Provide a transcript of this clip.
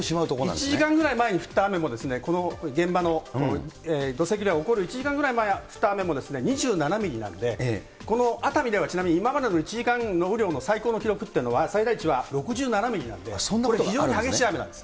１時間ぐらい前に降った雨も、この現場の土石流が起こる１時間ぐらい前に降った雨も２７ミリなんで、熱海ではちなみに今までの１時間の雨量の最高の記録というのは、最大値は、６７ミリなんで、これ、非常に激しい雨なんです。